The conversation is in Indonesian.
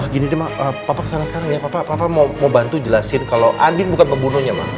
gini deh ma papa kesana sekarang ya papa mau bantu jelasin kalo andien bukan pembunuhnya ma